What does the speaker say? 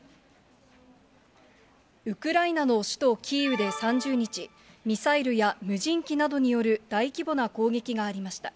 ウクライナの首都キーウで３０日、ミサイルや無人機などによる大規模な攻撃がありました。